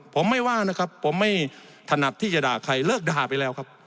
ผมไม่ว่านะครับผมไม่ถนัดที่จะด่าใครเลิกด่าไปแล้วครับ